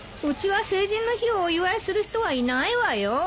うちは成人の日をお祝いする人はいないわよ。